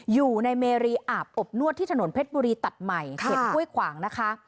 อยู่ในเมรีอาบอบนวดที่ถนนเพชรบุรีตัดใหม่เขตห้วยขวางนะคะ